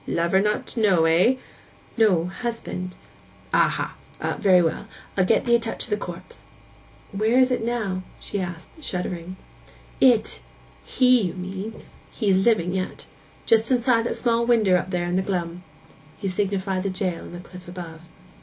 'Lover not to know, eh?' 'No—husband.' 'Aha! Very well. I'll get ee' a touch of the corpse.' 'Where is it now?' she said, shuddering. 'It?_—he_, you mean; he's living yet. Just inside that little small winder up there in the glum.' He signified the jail on the cliff above.